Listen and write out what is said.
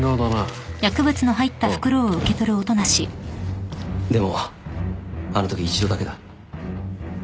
おうでもあのとき一度だけだ。